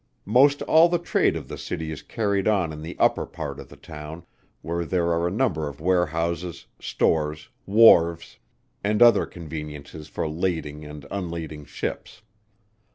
Most all the trade of the city is carried on in the upper part of the town, where there are a number of warehouses, stores, wharves, and other conveniences for lading and unlading ships.